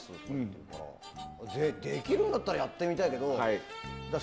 いうからできるんだったらやってみたいけどって。